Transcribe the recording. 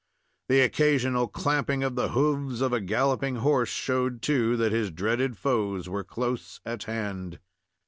The occasional clamping of the hoofs of a galloping horse showed, too, that his dreaded foes were close at hand.